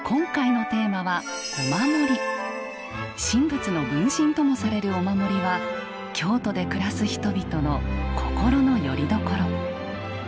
神仏の分身ともされるお守りは京都で暮らす人々の心のよりどころ。